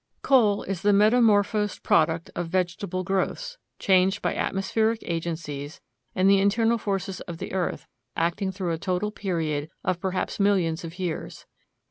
Coal is the metamorphosed product of vegetable growths, changed by atmospheric agencies and the internal forces of the earth acting through a total period of perhaps millions of years.